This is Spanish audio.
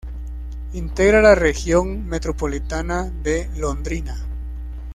Integra la Región Metropolitana de Londrina.